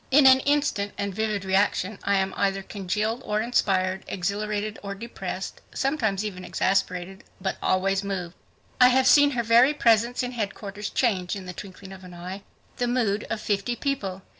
In an instant and vivid reaction, I am either congealed or inspired; exhilarated or depressed; sometimes even exasperated, but always moved. I have seen her very presence in headquarters change in the twinkling of an eye the mood of fifty people.